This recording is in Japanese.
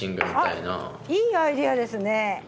あっいいアイデアですね。